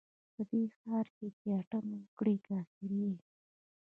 په دې ښار کښې چې اتڼ وکړې، کافر يې